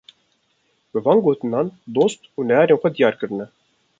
Bi van gotinan dost û neyarên xwe diyar kirine